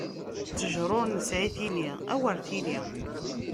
Ṭṭejṛa ur nesɛi tili, awer tili!